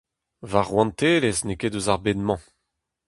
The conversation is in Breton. Va Rouantelezh n’eo ket eus ar bed-mañ.